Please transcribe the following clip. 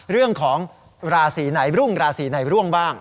เรื่องของราศีไหนรุ่งราศีไหนร่วงบ้าง